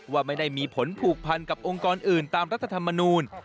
ว่าไม่ได้มีผลผูกพันกับองค์กรอื่นตามรัฐธรรมนูล